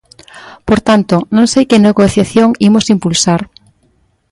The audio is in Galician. Por tanto, non sei que negociación imos impulsar.